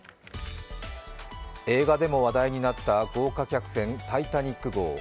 映画でも話題になった豪華客船「タイタニック」号。